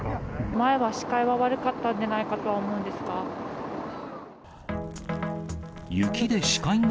前は視界が悪かったんじゃないかと思うんですが。